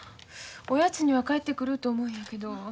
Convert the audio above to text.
おやつには帰ってくると思うんやけど。